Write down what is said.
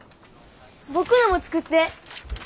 僕のも作って。